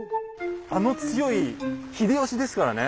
あの強い秀吉ですからね。